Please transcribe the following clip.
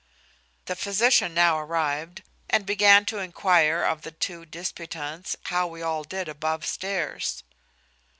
The physician now arrived, and began to inquire of the two disputants, how we all did above stairs?